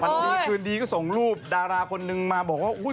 ดีคืนดีก็ส่งรูปดาราคนนึงมาบอกว่า